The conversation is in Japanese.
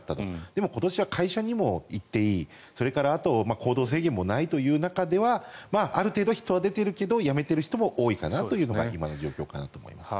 でも今年は会社にも行っていい行動制限もないという中ではある程度、人は出ているけれどもやめている人も多いかなというのが今の状況かなと思います。